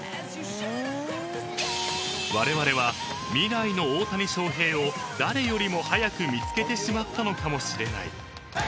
［われわれは未来の大谷翔平を誰よりも早く見つけてしまったのかもしれない］